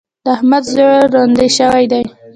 د احمد زوی روندی شوی دی.